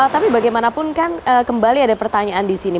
tapi bagaimanapun kan kembali ada pertanyaan di sini